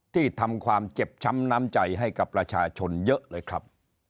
ที่ทำความเจ็บช้ำน้ำใจให้กับประชาชนเยอะเลยครับ